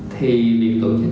thì việc tổ chức